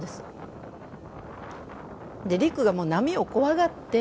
陸がもう波を怖がって。